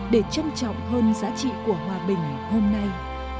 để trân trọng hơn giá trị của hòa bình hôm nay